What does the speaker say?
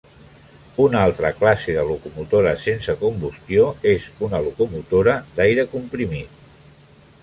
Una altra classe de locomotora sense combustió és una locomotora d'aire comprimit.